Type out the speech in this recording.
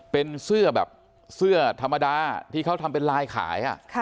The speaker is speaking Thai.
เป็นเสื้อแบบเสื้อธรรมดาที่เขาทำเป็นลายขาย